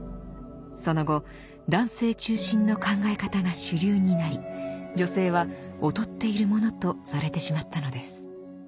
その後男性中心の考え方が主流になり女性は劣っているものとされてしまったのです。